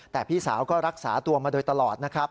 แต่พี่สาวก็รักษาตัวมาโดยตลอดนะครับ